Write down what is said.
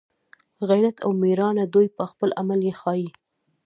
غیرت او میړانه دوی په خپل عمل یې ښایي